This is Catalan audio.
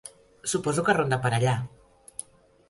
Suposo que ronda per allà?